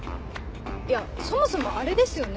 いやそもそもあれですよね。